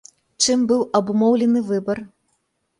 Чым быў абумоўлены выбар?